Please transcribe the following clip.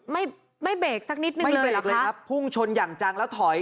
ไม่ไม่เบรกสักนิดนึงไม่เบรกเลยครับพุ่งชนอย่างจังแล้วถอย